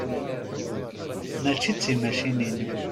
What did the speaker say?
Mačči d timacinin.